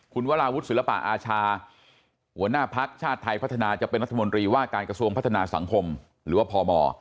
คุณวราวุฒิศิลปะอาชาหัวหน้าภักดิ์ชาติไทยพัฒนาจะเป็นรัฐมนตรีว่าการกระทรวงพัฒนาสังคมหรือว่าพม